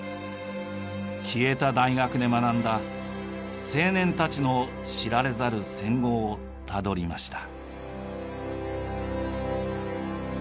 消えた大学で学んだ青年たちの知られざる戦後をたどりました。